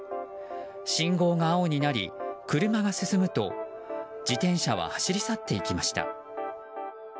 信号が青になり、車が進むと自転車は走り去っていきました。